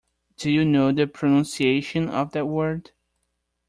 Do you know the pronunciation of that word?